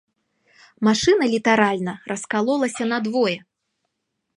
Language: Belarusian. Машына літаральна раскалолася надвое.